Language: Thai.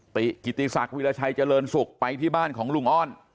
ติกิติศักดิราชัยเจริญสุขไปที่บ้านของลุงอ้อน